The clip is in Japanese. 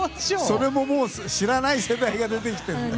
それももう知らない世代が出てきてる。